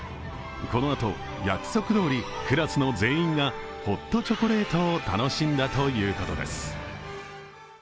このあと約束どおり、クラスの全員がホットチョコレートを楽しんだということです。